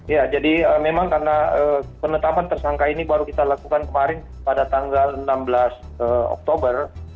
ya jadi memang karena penetapan tersangka ini baru kita lakukan kemarin pada tanggal enam belas oktober